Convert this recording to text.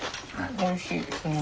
おいしい。